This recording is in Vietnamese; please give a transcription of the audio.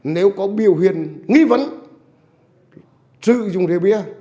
nếu có biểu hiện nghi vấn sử dụng rượu bia